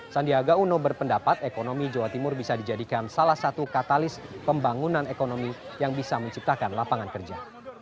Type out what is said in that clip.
sandiaga uno berpendapat ekonomi jawa timur bisa dijadikan salah satu katalis pembangunan ekonomi yang bisa menciptakan lapangan kerja